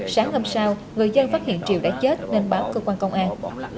sáng hôm sau người dân phát hiện triều đã chết nên báo cơ quan công an